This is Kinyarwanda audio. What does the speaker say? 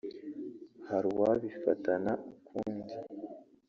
Hari uwabifatana ukundi